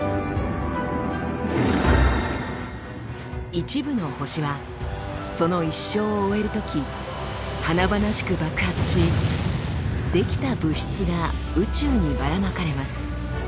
一部の星はその一生を終えるとき華々しく爆発し出来た物質が宇宙にばらまかれます。